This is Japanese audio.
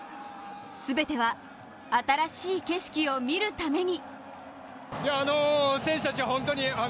全ては新しい景色を見るために。